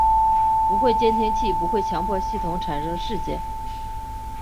不过监督器不会强迫系统产生事件。